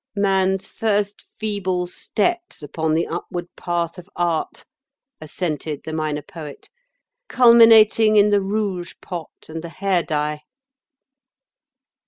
"Man's first feeble steps upon the upward path of Art," assented the Minor Poet, "culminating in the rouge pot and the hair dye."